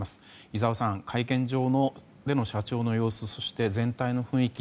井澤さん、会見場での社長の様子そして全体の雰囲気